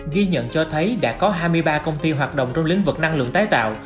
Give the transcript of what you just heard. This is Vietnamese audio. ghi nhận cho thấy đã có hai mươi ba công ty hoạt động trong lĩnh vực năng lượng tái tạo